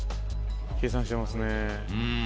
計算してますね。